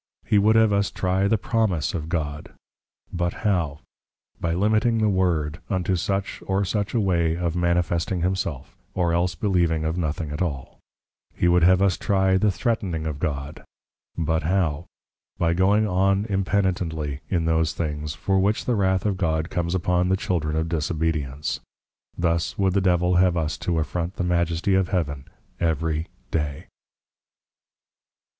He would have us trie the Promise of God; but how? By Limiting the Lord, unto such or such a way of manifesting Himself, or else believing of nothing at all. He would have us trie the Threatning of God; but how? By going on impenitently in those things, for which the Wrath of God comes upon the Children of Disobedience. Thus would the Devil have us to affront the Majesty of Heaven every day.